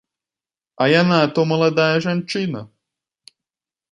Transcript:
А яна то маладая жанчына!